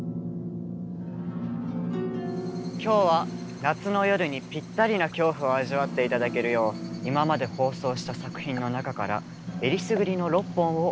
今日は夏の夜にぴったりな恐怖を味わっていただけるよう今まで放送した作品の中からえりすぐりの６本をお送りします。